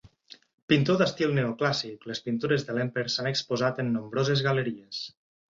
Pintor d'estil neoclàssic, les pintures de Lemper s'han exposat en nombroses galeries.